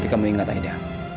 tapi kamu ingat aida